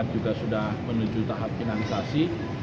juga sudah menuju tahap finalisasi